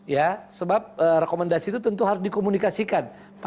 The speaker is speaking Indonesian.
ya sebab rekomendasi itu tentu harus dikomunikasikan